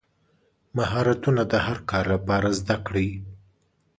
مهارتونه د هر کار لپاره زده کړئ.